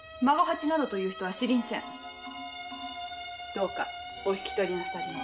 どうかお引き取りなさりんす。